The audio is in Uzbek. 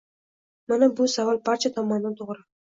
Mana bu savol barcha tomonidan to’g’ri